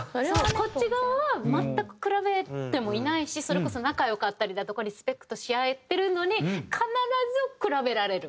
こっち側は全く比べてもいないしそれこそ仲良かったりだとかリスペクトし合えてるのに必ず比べられる。